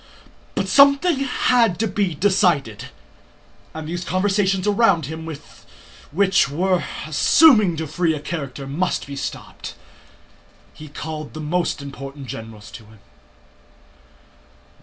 But something had to be decided, and these conversations around him which were assuming too free a character must be stopped. He called the most important generals to him.